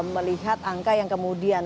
melihat angka yang kemudian